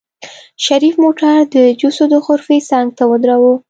شريف موټر د جوسو د غرفې څنګ ته ودروه.